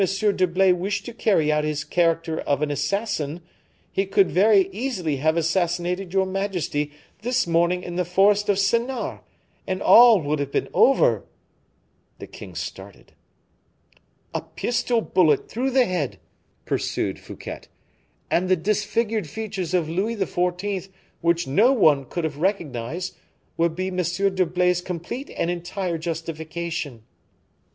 d'Herblay wished to carry out his character of an assassin, he could very easily have assassinated your majesty this morning in the forest of Senart, and all would have been over." The king started. "A pistol bullet through the head," pursued Fouquet, "and the disfigured features of Louis XIV., which no one could have recognized, would be M. d'Herblay's complete and entire justification."